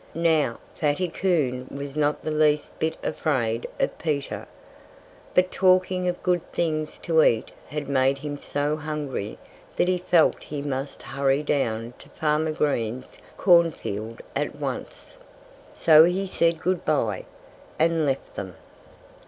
Now, Fatty Coon was not the least bit afraid of Peter. But talking of good things to eat had made him so hungry that he felt he must hurry down to Farmer Green's cornfield at once. So he said "Good bye!" and left them.